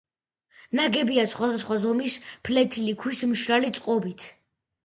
ნაგებია სხვადასხვა ზომის ფლეთილი ქვის მშრალი წყობით.